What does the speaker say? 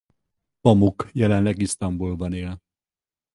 Pamuk jelenleg Isztambulban él.